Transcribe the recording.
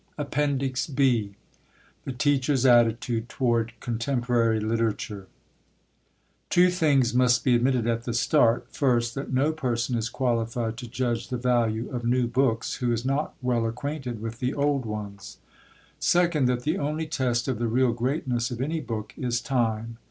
APPENDIX B THE TEACHER'S ATTITUDE TOWARD CONTEMPORARY LITERATURE Two things must be admitted at the start first, that no person is qualified to judge the value of new books who is not well acquainted with the old ones; second, that the only test of the real greatness of any book is Time.